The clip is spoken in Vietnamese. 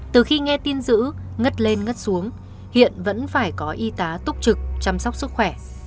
từ khi nghe tin giữ ngất lên ngất xuống hiện vẫn phải có y tá túc trực chăm sóc sức khỏe